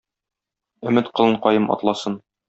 Өмет колынкаем атласын!